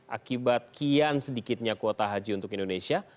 akibat kian sedikitnya kuota haji untuk indonesia